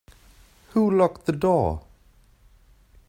Who locked the door?